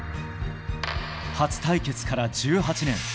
初対決から１８年。